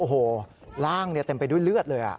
โอ้โหร่างเต็มไปด้วยเลือดเลย